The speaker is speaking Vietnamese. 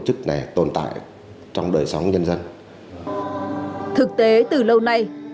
thực tế từ lâu nay tại tây nguyên đời sống tự do tôn giáo tín ngưỡng thuần túy luôn được đảng nhà nước chính quyền các cấp tạo điều kiện hoạt động